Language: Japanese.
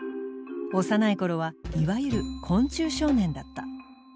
幼い頃はいわゆる昆虫少年だった。